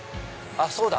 そうだ！